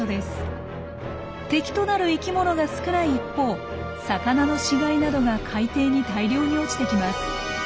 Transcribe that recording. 敵となる生きものが少ない一方魚の死骸などが海底に大量に落ちてきます。